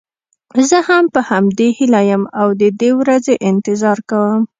زه هم په همدې هیله یم او د دې ورځې انتظار کوم.